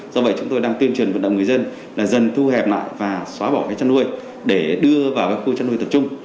do vậy chúng tôi đang tuyên truyền vận động người dân là dần thu hẹp lại và xóa bỏ cái chăn nuôi để đưa vào khu chăn nuôi tập trung